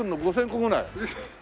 ５０００個ぐらい？